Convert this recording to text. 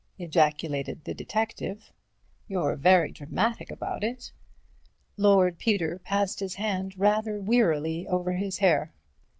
ejaculated the detective, "you're very dramatic about it." Lord Peter passed his hand rather wearily over his hair.